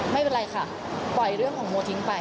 ไม่เป็นไรค่ะปล่อยเรื่องของโมทิ้งไป